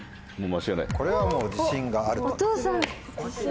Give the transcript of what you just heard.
これはもう自信があると。